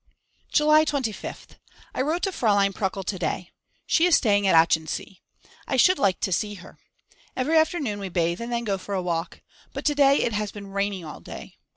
July 25th. I wrote to Fraulein Pruckl to day. She is staying at Achensee. I should like to see her. Every afternoon we bathe and then go for a walk. But to day it has been raining all day.